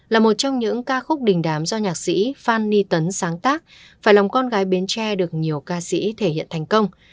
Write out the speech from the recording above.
là một trong những ca khúc đình đám do nhạc sĩ phan ni tấn sáng tác phải lòng con gái bến tre được nhiều ca sĩ thể hiện thành công